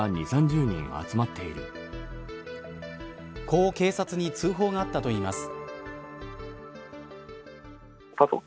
こう警察に通報があったといいます。